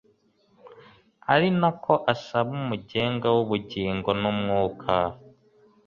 ari na ko asaba umugenga w'ubugingo n'umwuka